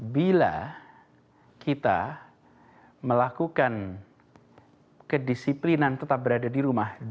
bila kita melakukan kedisiplinan tetap berada di rumah